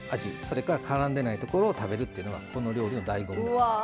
それからからんでないところを食べるというのがこの料理のだいご味なんです。